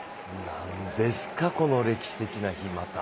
何ですか、この歴史的な日、また。